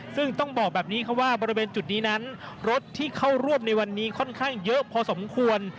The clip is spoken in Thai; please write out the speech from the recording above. ซึ่งต้องบอกแบบนี้ค่ะว่าบริเวณจุดนี้นั้นรถที่เข้าร่วมในวันนี้ค่อนข้างเยอะพอสมควร